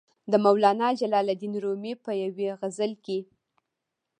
د مولانا جلال الدین رومي په یوې غزل کې.